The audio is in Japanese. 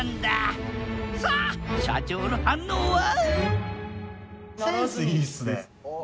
さあ社長の反応は？